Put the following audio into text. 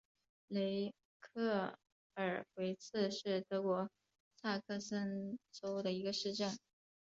雷克尔维茨是德国萨克森州的一个市镇。